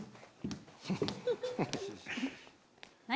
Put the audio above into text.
・何？